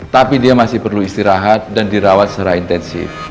tapi dia masih perlu istirahat dan dirawat secara intensif